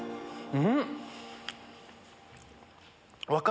うん！